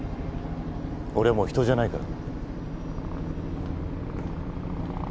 俺はもう人じゃないから。